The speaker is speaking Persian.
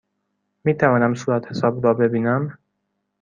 می توانم صورتحساب را ببینم؟